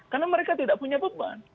karena mereka tidak punya beban